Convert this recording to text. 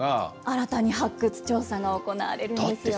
新たに発掘調査が行われるんですよ。